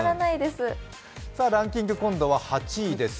ランキング、今度は８位です。